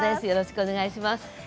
よろしくお願いします。